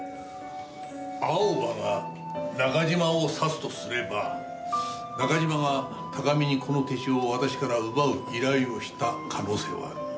アオバが中島を指すとすれば中島が高見にこの手帳を私から奪う依頼をした可能性はある。